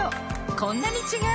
こんなに違う！